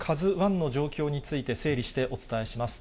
ＫＡＺＵＩの状況について、整理してお伝えします。